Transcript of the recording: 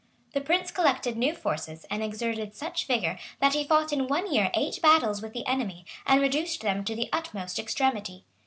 The prince collected new forces, and exerted such vigor, that he fought in one year eight battles with the enemy,[*] and reduced them to the utmost extremity.